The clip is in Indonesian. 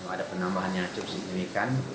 ada penambahan yang cukup signifikan